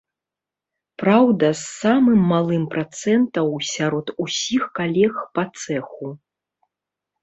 Праўда, з самым малым працэнтаў сярод усіх калег па цэху.